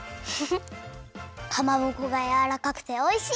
かまぼこがやわらかくておいしい！